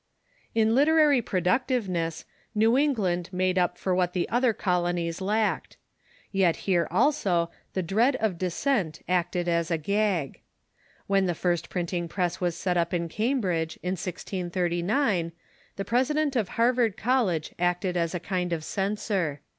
In literary productiveness New England made np for what the other colonies lacked. Yet here also the dread of dissent acted as a gag. When the first jjrinting press was New^En^iand ^^^ "P ^" Cambridge, in 1639, the president of Har vard College acted as a kind of censor.